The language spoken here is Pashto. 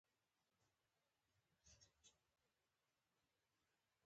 که مونږ په کابل کې میټرو درلودلای.